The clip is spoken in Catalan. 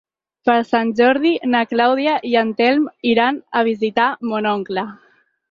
Per Sant Jordi na Clàudia i en Telm iran a visitar mon oncle.